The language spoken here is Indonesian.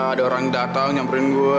ada orang datang nyamperin gue